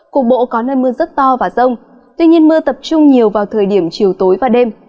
cục bộ có nơi mưa rất to và rông tuy nhiên mưa tập trung nhiều vào thời điểm chiều tối và đêm